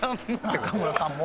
中村さんも？